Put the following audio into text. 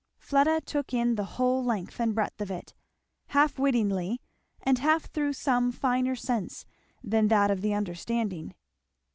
Fleda took in the whole length and breadth of it, half wittingly and half through some finer sense than that of the understanding.